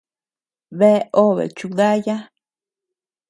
Bea obe chikudaya.